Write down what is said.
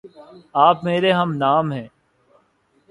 آپ میرے ہم نام ہےـ